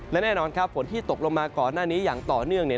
และแน่นอนครับฝนที่ตกลงมาก่อนหน้านี้อย่างต่อเนื่อง